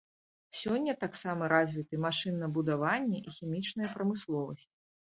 Сёння таксама развіты машынабудаванне і хімічная прамысловасць.